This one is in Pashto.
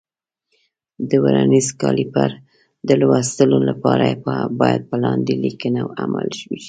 د ورنیز کالیپر د لوستلو لپاره باید په لاندې لیکنه عمل وشي.